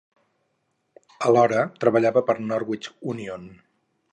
Alhora, treballava per a Norwich Union.